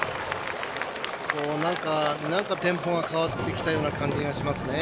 なんかテンポが変わってきたような気がしますね。